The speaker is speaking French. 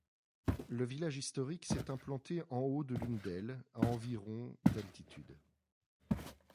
Le village historique s'est implanté en haut de l'une d'elles, à environ d'altitude.